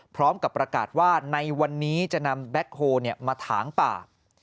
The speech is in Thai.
พร้อมกับประกาศว่าในวันนี้จะนำแบ็คโฮลมาถางป่า